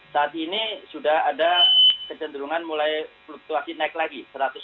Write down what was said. saat ini sudah ada kecenderungan mulai fluktuasi naik lagi